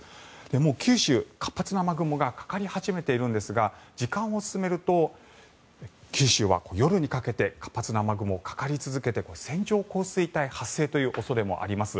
九州、活発な雨雲がかかり始めているんですが時間を進めると九州は夜にかけて活発な雨雲がかかり続けて線状降水帯発生という恐れもあります。